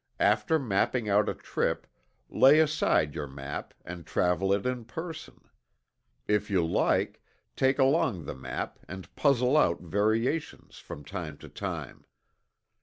After mapping out a trip, lay aside your map and travel it in person. If you like, take along the map and puzzle out variations, from time to time.